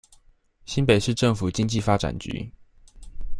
新北市政府經濟發展局